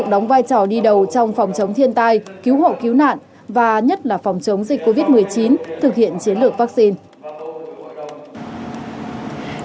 trong phòng chống thiên tai cứu hộ cứu nạn và nhất là phòng chống dịch covid một mươi chín thực hiện chiến lược vaccine